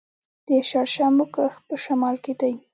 د شړشمو کښت په شمال کې دی.